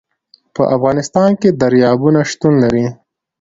په افغانستان کې دریابونه شتون لري.